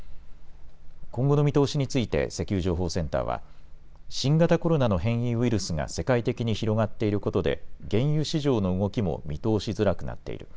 今後の見通しについて、石油情報センターは、新型コロナの変異ウイルスが世界的に広がっていることで、原油市場の動きも見通しづらくなっている。